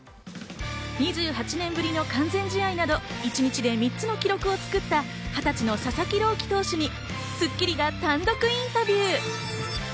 ２８年ぶりの完全試合など、一日で３つの記録を作った２０歳の佐々木朗希投手に『スッキリ』が単独インタビュー。